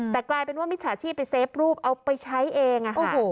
แต่กลายเป็นว่ามิจฉาชีพไปเซฟรูปเอาไปใช้เอง